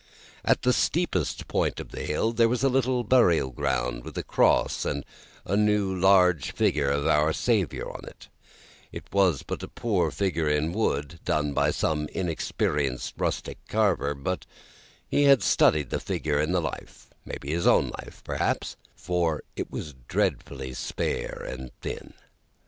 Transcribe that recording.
At the steepest point of the hill there was a little burial ground, with a Cross and a new large figure of Our Saviour on it; it was a poor figure in wood, done by some inexperienced rustic carver, but he had studied the figure from the life his own life, maybe for it was dreadfully spare and thin.